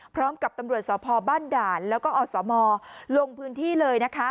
พร้อมกับตำรวจสพบ้านด่านแล้วก็อสมลงพื้นที่เลยนะคะ